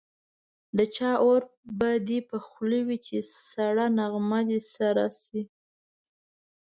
د چا اور به دي په خوله وي چي سړه نغمه دي سره سي